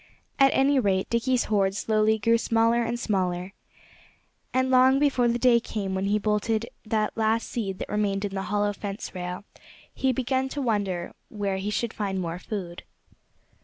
At any rate, Dickie's hoard slowly grew smaller and smaller. And long before the day came when he bolted the last seed that remained in the hollow fence rail he had begun to wonder where he should find more food.